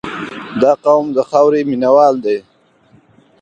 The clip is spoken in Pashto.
• دا قوم د خاورې مینه وال دي.